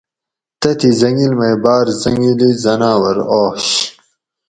تتھی زنگِل مئ باٞر زٞنگلی زناور آش